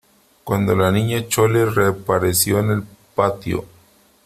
cuando la Niña Chole reapareció en el patio .